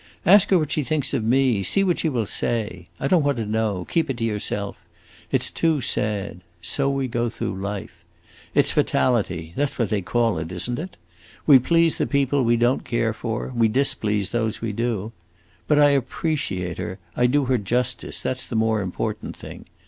Ask her what she thinks of me; see what she will say. I don't want to know; keep it to yourself. It 's too sad. So we go through life. It 's fatality that 's what they call it, is n't it? We please the people we don't care for, we displease those we do! But I appreciate her, I do her justice; that 's the more important thing.